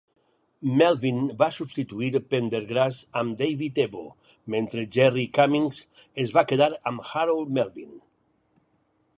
Melvin va substituir Pendergrass amb David Ebo mentre Jerry Cummings es va quedar amb Harold Melvin.